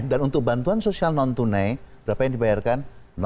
dan untuk bantuan sosial non tunai berapa yang dibayarkan